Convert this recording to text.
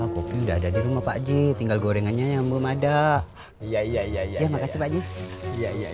kopi udah ada di rumah pakji tinggal gorengannya yang belum ada ya ya ya ya makasih pakji ya ya